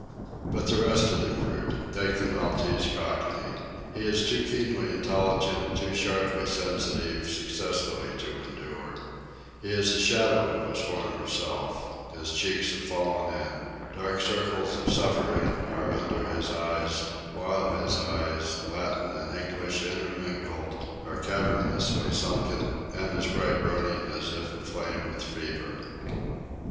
But the rest of the crew! Take the Maltese Cockney. He is too keenly intelligent, too sharply sensitive, successfully to endure. He is a shadow of his former self. His cheeks have fallen in. Dark circles of suffering are under his eyes, while his eyes, Latin and English intermingled, are cavernously sunken and as bright burning as if aflame with fever.